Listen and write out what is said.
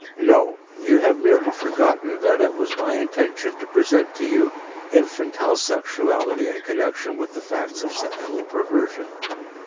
No, you have merely forgotten that it was my intention to present to you infantile sexuality in connection with the facts of sexual perversion.